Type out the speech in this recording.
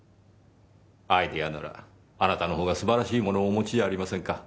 アイデアならあなたのほうが素晴らしいものをお持ちじゃありませんか。